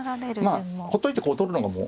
まあほっといてこう取るのがもう。